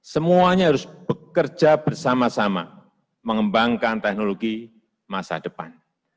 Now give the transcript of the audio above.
semuanya harus bekerja bersama sama mengembangkan teknologi masa depan